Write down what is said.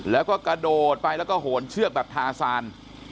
แล้วก็กระโดดไปแล้วก็โหนเชือกแบบทาซาน